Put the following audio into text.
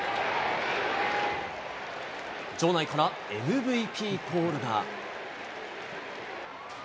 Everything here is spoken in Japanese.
場内からＭＶＰコールが。